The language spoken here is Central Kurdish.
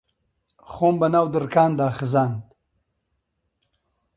خۆم بە ناو دڕکاندا خزاند